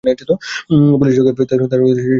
পুলিশের সঙ্গে তাঁর সে-রকম যোগাযোগ কখনো ছিল না।